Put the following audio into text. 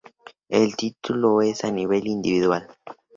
El título es a nivel individual.